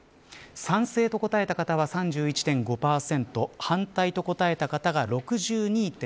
賛成と答えた方は３１．５％反対と答えた方が６２．３％。